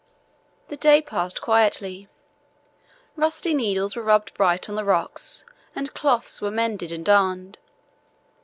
The day passed quietly. Rusty needles were rubbed bright on the rocks and clothes were mended and darned.